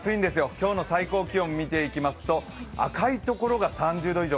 今日の最高気温見ていきますと、赤いところが３０度以上。